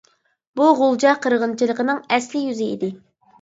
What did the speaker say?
بۇ غۇلجا قىرغىنچىلىقىنىڭ ئەسلى يۈزى ئىدى.